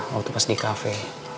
waktu pas di cafe